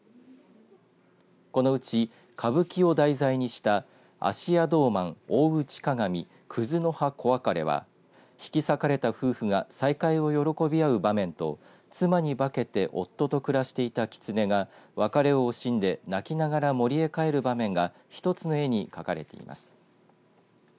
このうち、歌舞伎を題材にした蘆屋道満大内鑑葛の葉子別れは引き裂かれた夫婦が再会を喜び合う場面と妻にばけて夫と暮らしていたきつねが別れを惜しんで泣きながら森へ帰る場面が一つの絵に描かれています。